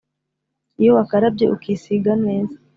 iyo wakarabye ukisiga neza